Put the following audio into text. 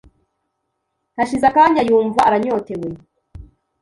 Hashize akanya yumva aranyotewe,